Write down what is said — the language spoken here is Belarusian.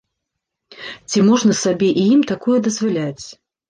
Ці можна сабе і ім такое дазваляць?